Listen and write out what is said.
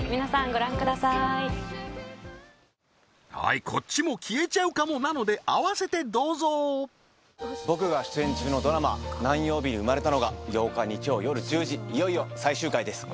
ご覧くださーいはいこっちも消えちゃうかもなので合わせてどうぞ僕が出演中のドラマ何曜日に生まれたの８日日曜よる１０時いよいよ最終回です